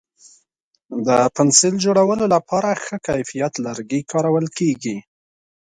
د پنسل جوړولو لپاره ښه کیفیت لرګی کارول کېږي.